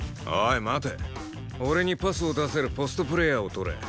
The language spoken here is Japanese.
俺にパスを出せるポストプレーヤーをとれ。